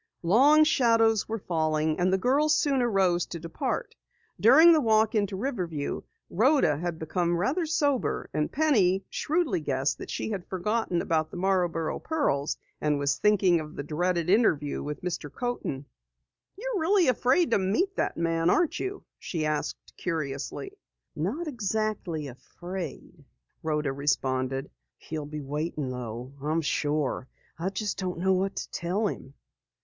Long shadows were falling, and the girls soon arose to depart. During the walk into Riverview, Rhoda became rather sober and Penny shrewdly guessed that she had forgotten about the Marborough pearls and was thinking of the dreaded interview with Mr. Coaten. "You're really afraid to meet that man aren't you?" she asked curiously. "Not exactly afraid," Rhoda responded. "He'll be waiting though, I'm sure. I just don't know what to tell him."